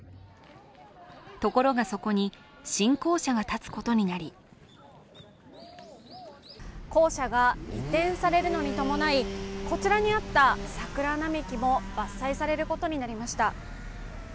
ところが、そこに新校舎が建つことになり校舎が移転されるのに伴いこちらにあった桜並木も伐採されることになりました。